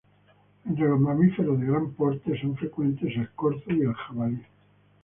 Entre los mamíferos de gran porte, son frecuentes el corzo y el jabalí.